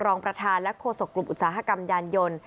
รองประธานและโฆษกกลุ่มอุตสาหกรรมยานยนต์